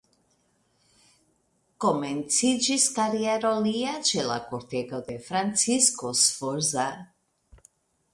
Komenciĝis kariero lia ĉe la kortego de Francisko Sforza.